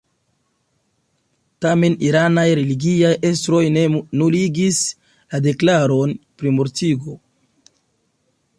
Tamen, iranaj religiaj estroj ne nuligis la deklaron pri mortigo.